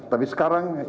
tapi sekarang ini